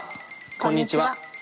こんにちは。